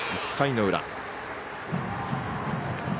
１回の裏。